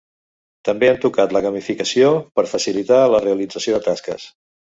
També han tocat la gamificació per facilitar la realització de tasques.